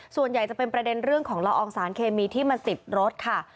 ส่วนใหญ่จะเป็นประเด็นเรื่องของละอองสารเคมีที่มาติดรถค่ะ